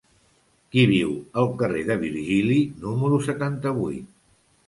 Qui viu al carrer de Virgili número setanta-vuit?